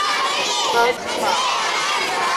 無出門